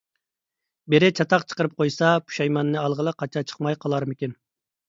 بىرى چاتاق چىقىرىپ قويسا، پۇشايماننى ئالغىلى قاچا چىقماي قالارمىكىن.